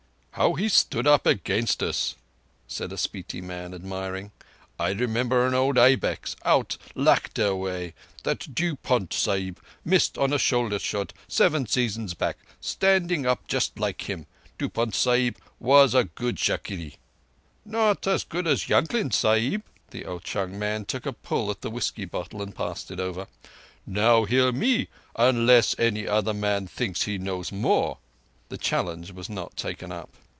"How he stood up against us!" said a Spiti man admiring. "I remember an old ibex, out Ladakh way, that Dupont Sahib missed on a shoulder shot, seven seasons back, standing up just like him. Dupont Sahib was a good shikarri." "Not as good as Yankling Sahib." The Ao chung man took a pull at the whisky bottle and passed it over. "Now hear me—unless any other man thinks he knows more." The challenge was not taken up.